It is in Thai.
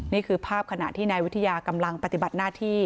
นี่คือภาพขณะที่นายวิทยากำลังปฏิบัติหน้าที่